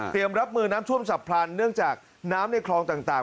รับมือน้ำท่วมฉับพลันเนื่องจากน้ำในคลองต่าง